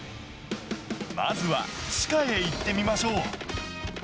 まずは地下へ行ってみましょう。